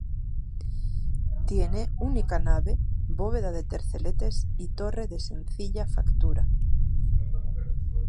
Tiene única nave, bóveda de terceletes y torre de sencilla factura.